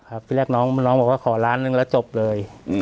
ครับทีแรกน้องน้องบอกว่าขอล้านหนึ่งแล้วจบเลยอืม